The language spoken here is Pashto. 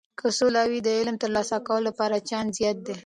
که سوله وي، د علم د ترلاسه کولو لپاره چانس زیات دی.